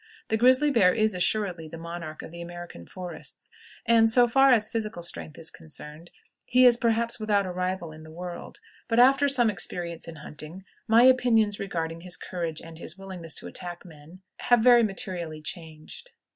The grizzly bear is assuredly the monarch of the American forests, and, so far as physical strength is concerned, he is perhaps without a rival in the world; but, after some experience in hunting, my opinions regarding his courage and his willingness to attack men have very materially changed.